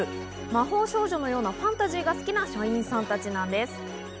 魔法少女のようなファンタジーが好きな社員さんたちなんです。